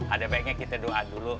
ada baiknya kita doa dulu